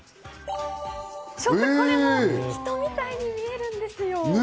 ちょっとこれも人みたいに見えるんですよ。